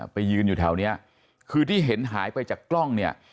ไปยืนอยู่แถวนี้คือที่เห็นหายไปจากกล้องเนี่ย